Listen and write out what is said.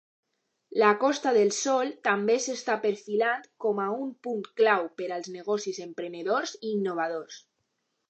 La Costa del Sol també s'està perfilant com a un punt clau per als negocis emprenedors i innovadors.